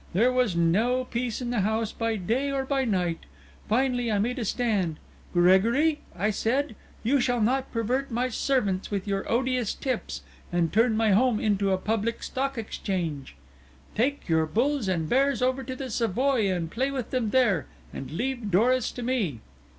There was no peace in the house, by day or by night. Finally I made a stand. 'Gregory,' I said, 'you shall not pervert my servants with your odious tips, and turn my home into a public stock exchange. Take your bulls and bears over to the Savoy and play with them there, and leave Doris to me.'